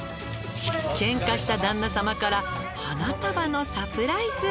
「ケンカした旦那さまから花束のサプライズ」